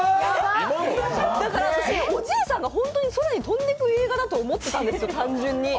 私、おじいさんが本当に空に飛んでいく話だと思ってたんですよ